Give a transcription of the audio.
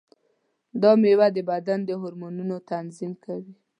دا مېوه د بدن د هورمونونو تنظیم کوي.